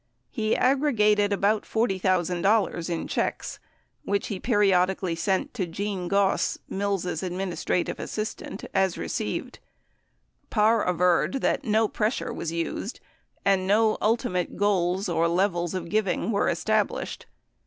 He aggregated about $40,000 in checks which he periodically sent to Gene Goss, Mills' administrative assistant, as received. Parr averred that no pressure was used and no ultimate goals, or levels of giving, were established.